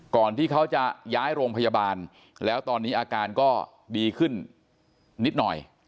ก่อนที่เขาจะย้ายโรงพยาบาลแล้วตอนนี้อาการก็ดีขึ้นนิดหน่อย